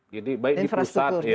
jadi baik di pusat